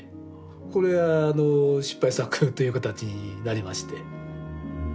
これは失敗作という形になりまして。